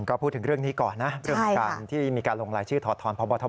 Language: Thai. ก็พูดถึงเรื่องนี้ก่อนนะเรื่องของการที่มีการลงรายชื่อถอดทนพบท